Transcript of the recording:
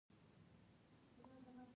ځوانان په سیاسي پریکړو کې ونډه لري.